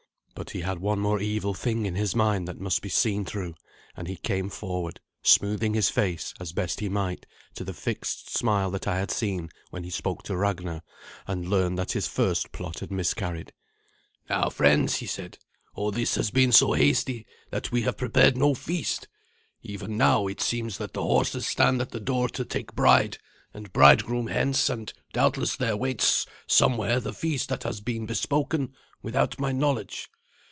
But he had one more evil thing in his mind that must be seen through; and he came forward, smoothing his face, as best he might, to the fixed smile that I had seen when he spoke with Ragnar, and learned that his first plot had miscarried. "Now, friends," he said, "all this has been so hasty that we have prepared no feast. Even now, it seems that the horses stand at the door to take bride and bridegroom hence, and doubtless there waits somewhere the feast that has been bespoken without my knowledge.